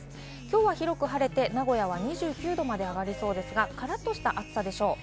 きょうは広く晴れて、名古屋は２９度まで上がりそうですが、からっとした暑さでしょう。